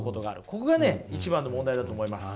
ここがね一番の問題だと思います。